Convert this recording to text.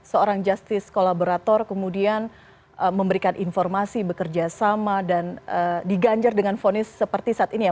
seorang justice kolaborator kemudian memberikan informasi bekerja sama dan diganjar dengan fonis seperti saat ini ya